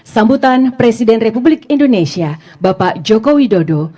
sambutan presiden republik indonesia bapak joko widodo